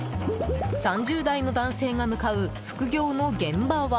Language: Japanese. ３０代の男性が向かう副業の現場は。